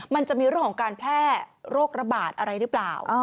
มันจะมีเรื่องของการแพร่โรคระบาดอะไรหรือเปล่า